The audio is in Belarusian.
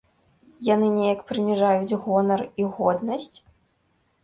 Яны неяк прыніжаюць гонар і годнасць?